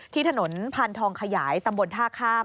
ที่ถนนพานทองขยายตำบลท่าข้าม